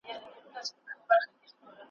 ویل ستوری دي د بخت پر ځلېدو سو ,